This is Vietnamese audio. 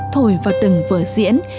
thổi vào từng vở diễn